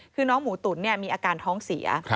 คือน้องหมูตุ๋นมีอาการท้องเสีย